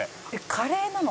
「カレーなの？